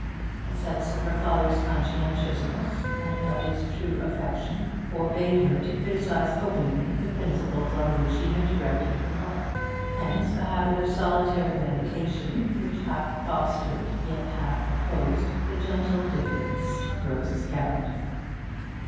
A sense of her father's conscientiousness and of his true affection forbade her to criticise openly the principles on which he had directed her life; hence a habit of solitary meditation, which half fostered, yet half opposed, the gentle diffidence of Rose's character.